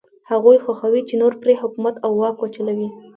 هغوی خوښوي چې نور پرې حکومت او واک وچلوي.